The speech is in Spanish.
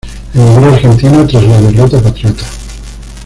Emigró a Argentina tras la derrota patriota.